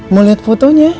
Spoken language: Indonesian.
mau lihat fotonya